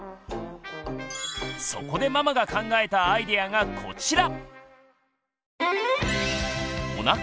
そこでママが考えたアイデアがこちら！